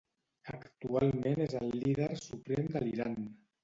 Actualment és el Líder suprem de l'Iran.